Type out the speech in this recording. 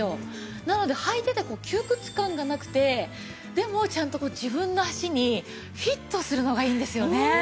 なので履いてて窮屈感がなくてでもちゃんと自分の足にフィットするのがいいんですよね。